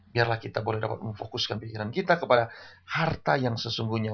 biarlah kita boleh dapat memfokuskan pikiran kita kepada harta yang sesungguhnya